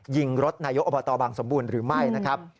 ยิงรถนายกอบตบางสมบูรณ์หรือไม่นะครับ